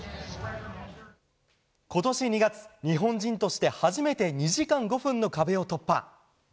今年２月、日本人として初めて２時間５分の壁を突破。